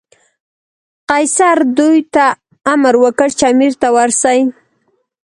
قیصر دوی ته امر وکړ چې امیر ته ورسي.